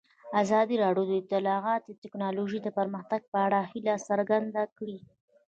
ازادي راډیو د اطلاعاتی تکنالوژي د پرمختګ په اړه هیله څرګنده کړې.